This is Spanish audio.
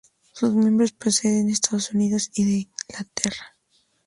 Sus miembros proceden de Estados Unidos y de Inglaterra.